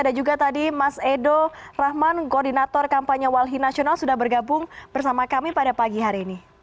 ada juga tadi mas edo rahman koordinator kampanye walhi nasional sudah bergabung bersama kami pada pagi hari ini